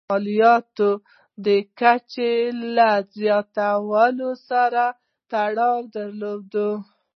مالیاتو د کچې له زیاتوالي سره تړاو درلود.